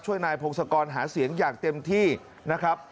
นายพงศกรหาเสียงอย่างเต็มที่นะครับ